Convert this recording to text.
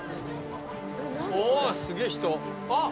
おすげえ人！